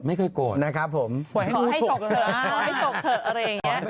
วันนั่งไม่มีเฉิป